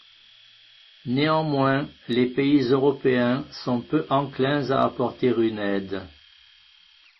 Néanmoins, les pays européens sont peu enclins à apporter une aide.